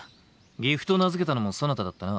岐阜と名付けたのもそなただったな。